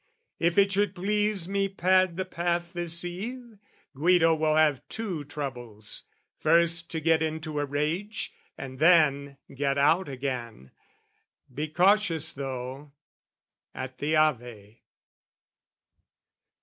"If it should please me pad the path this eve, "Guido will have two troubles, first to get "Into a rage and then get out again. "Be cautious, though: at the Ave!"